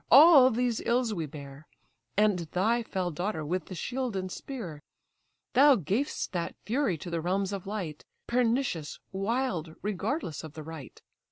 all these ills we bear, And thy fell daughter with the shield and spear; Thou gavest that fury to the realms of light, Pernicious, wild, regardless of the right.